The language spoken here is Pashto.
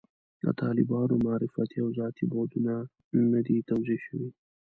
د طالبانو معرفتي او ذاتي بعدونه نه دي توضیح شوي.